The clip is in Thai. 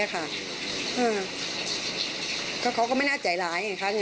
เขาก็ไม่น่าใจหลายค่ะ